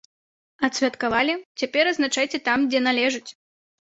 Адсвяткавалі, цяпер, адзначайце там, дзе належыць.